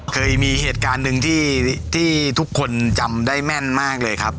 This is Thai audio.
เคยมีเหตุการณ์หนึ่งที่ทุกคนจำได้แม่นมากเลยครับ